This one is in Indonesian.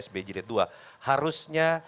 sby jirid dua harusnya